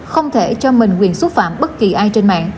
không thể cho mình quyền xúc phạm bất kỳ ai trên mạng